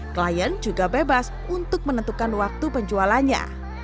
klien juga bebas untuk menentukan waktu penjualannya